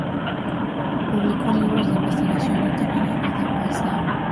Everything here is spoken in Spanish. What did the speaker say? Publicó libros de investigación literaria y de poesía.